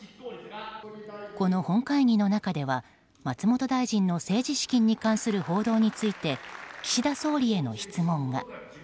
この本会議の中では、松本大臣の政治資金に関する報道について岸田総理への質問が。